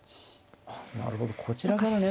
あなるほどこちらからね。